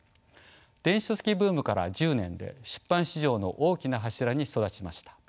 電子書籍ブームから１０年で出版市場の大きな柱に育ちました。